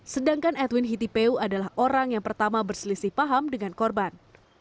sedangkan edwin hitipeu adalah orang yang pertama berselisih paham dengan korban